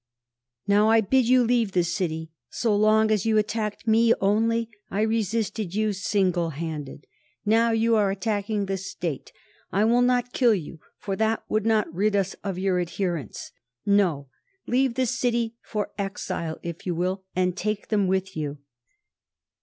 _Now I bid you leave the city. So long as you attacked me only, I resisted you single handed; now you are attacking the State. I will not kill you, for that would not rid us of your adherents. No, leave the city for exile, if you will and take them with you.